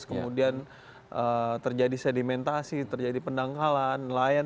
kemudian terjadi sedimentasi terjadi pendangkalan nelayan